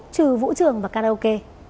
trừ vũ trường và cà đông